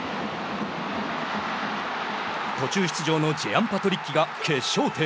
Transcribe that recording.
途中出場のジェアン・パトリッキが決勝点。